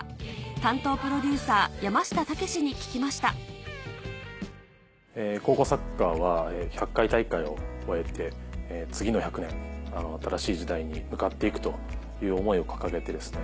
担当プロデューサー山下剛司に聞きました高校サッカーは１００回大会を終えて次の１００年新しい時代に向かって行くという思いを掲げてですね